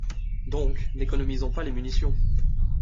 Donc, n’économisons pas les munitions